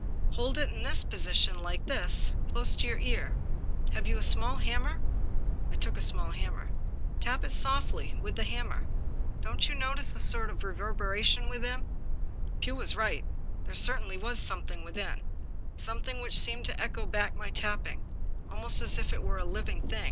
Hold it in this position — like this — close to your ear. Have you a small hammer ?" I took a small hammer. " Tap it softly, with the hammer. Don't you notice a sort of reverberation within ?" Pugh was right, there certainly was something within; something which seemed to echo back my tapping, almost as if it were a living thing.